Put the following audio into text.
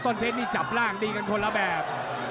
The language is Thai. ต้นเพชรนี่จับร่างดีกันคนละแบบ